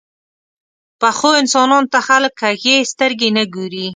پخو انسانانو ته خلک کږې سترګې نه ګوري